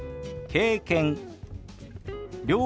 「経験」。